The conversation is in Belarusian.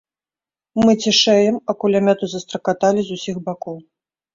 Мы цішэем, а кулямёты застракаталі з усіх бакоў.